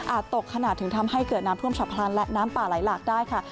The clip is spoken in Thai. ตกขนาดถึงทำให้เกิดน้ำท่วมฉับพลันและน้ำป่าไหลหลากได้ค่ะ